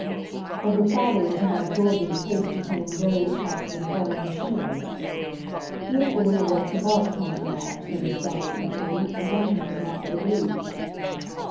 But her father was now absorbed in the case containing various types of infernal machines. "Beautiful little works of art some of them are," said his guide eagerly, and Bunting could not but agree.